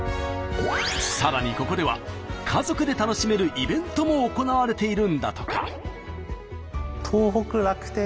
さらにここでは家族で楽しめるイベントも行われているんだとか。